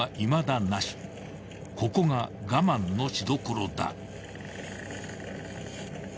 ［ここが我慢のしどころだ］